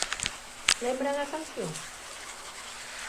Lembran a canción?